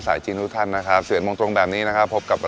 สายขี้รุ่นท่านนะครับศึกลงตรงแบบนี้นะครับพบกับเรา